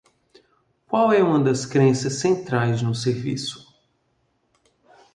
Qual é uma das crenças centrais no serviço?